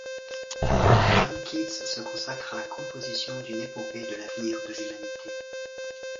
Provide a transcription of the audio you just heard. John Keats se consacre à la composition d'une épopée de l'avenir de l'humanité.